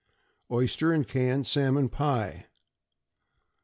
=Oyster and Canned Salmon Pie.